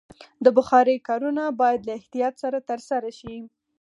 د بخارۍ کارونه باید له احتیاط سره ترسره شي.